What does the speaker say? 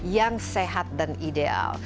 yang sehat dan ideal